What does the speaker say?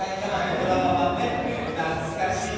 ドラマ版ね、懐かしい。